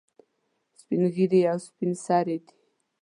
سپین ږیري او سپین سرې دي.